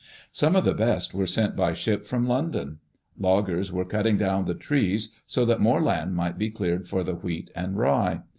Some of the best were sent by ship from London. Loggers were cutting down the trees, so that more land might be cleared for the wheat and rye.